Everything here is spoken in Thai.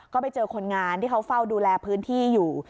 ก็ไปเจอคนงานที่เขาเฝ้าดูแลพื้นที่อยู่